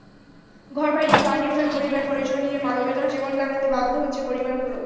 ঘরবাড়িতে পানি ওঠায় পরিবার পরিজন নিয়ে মানবেতর জীবন কাটাতে বাধ্য হচ্ছে পরিবারগুলো।